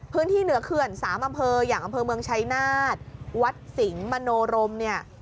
เหนือเขื่อน๓อำเภออย่างอำเภอเมืองชัยนาฏวัดสิงห์มโนรมเนี่ย